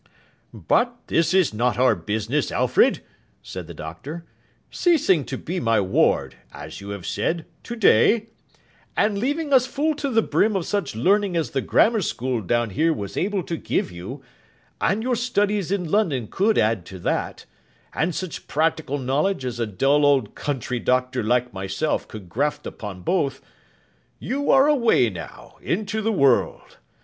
'But, this is not our business, Alfred,' said the Doctor. 'Ceasing to be my ward (as you have said) to day; and leaving us full to the brim of such learning as the Grammar School down here was able to give you, and your studies in London could add to that, and such practical knowledge as a dull old country Doctor like myself could graft upon both; you are away, now, into the world.